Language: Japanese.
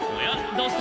どうした？